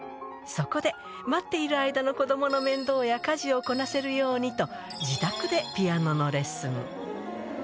そこで、待っている間の子どもの面倒や家事をこなせるようにと、自宅でピアノのレッスン。